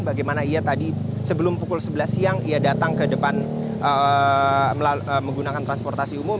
bagaimana ia tadi sebelum pukul sebelas siang ia datang ke depan menggunakan transportasi umum